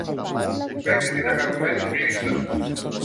Παίξε την αγαπημένη μου λίστα.